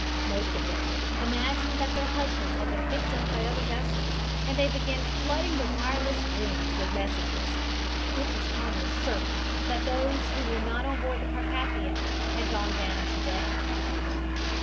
Most of them imagined that their husbands had been picked up by other vessels, and they began flooding the wireless rooms with messages. It was almost certain that those who were not on board the Carpathia had gone down to death.